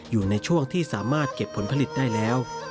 อยู่ในช่วงที่สามารถเก็บผลผลิตได้แล้ว